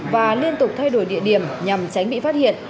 và liên tục thay đổi địa điểm nhằm tránh bị phát hiện